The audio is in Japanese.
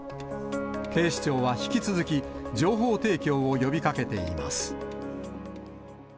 警視庁は引き続き、情報提供を呼びかけています。